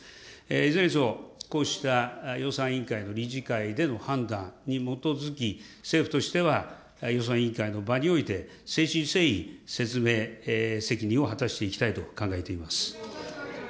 いずれにせよ、こうした予算委員会の理事会での判断に基づき、政府としては予算委員会の場において、誠心誠意説明責任を果たしていきたいと考えております。